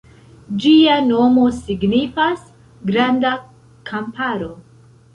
Ĝia nomo signifas "Granda Kamparo".